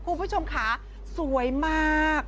คุณผู้ชมค่ะสวยมาก